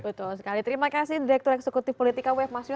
betul sekali terima kasih direktur eksekutif politika wef mas yu